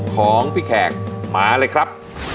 ของพี่แขกมาเลยครับ